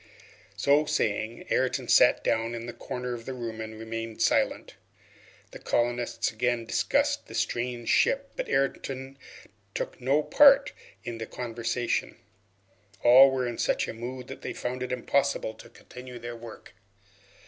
So saying, Ayrton sat down in a corner of the room and remained silent. The colonists again discussed the strange ship, but Ayrton took no part in the conversation. All were in such a mood that they found it impossible to continue their work.